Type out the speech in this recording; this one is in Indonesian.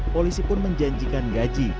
polisi pun menjanjikan gaji